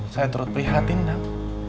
saya terus prihatin dang